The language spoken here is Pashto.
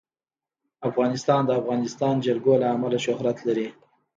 افغانستان د د افغانستان جلکو له امله شهرت لري.